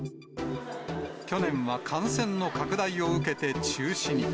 去年は感染の拡大を受けて中止に。